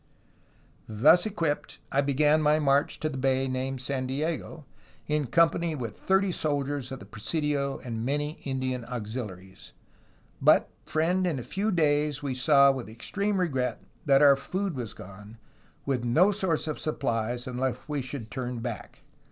''Thus equipped, I began my march to the bay named San Diego, in "company with thirty soldiers of the presidio and many Indian auxiliaries; but, friend, in a few days we saw with extreme regret that our food was gone, with no source of supplies unless we should turn back.